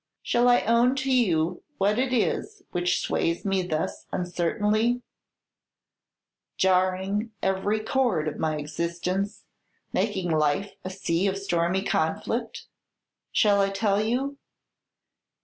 Shall I own to you what it is which sways me thus uncertainly, jarring every chord of my existence, making life a sea of stormy conflict? Shall I tell you?"